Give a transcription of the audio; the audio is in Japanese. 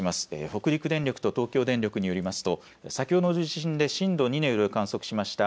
北陸電力と東京電力によりますと先ほどの地震で震度２の揺れを観測しました